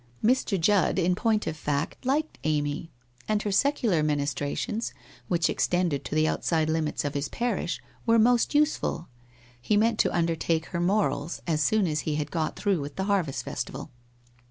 Mr. Judd in point of fact liked Amy, and her secular ministrations, which extended to the out side limits of his parish, were most useful. He meant to undertake her morals as soon as he had got through with the Harvest Festival.